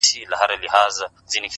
دا بېچاره به ښـايــي مــړ وي؛